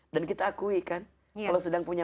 dan kita akui kan kalau sedang punya